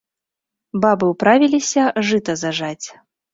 Бабы ўправіліся жыта зажаць.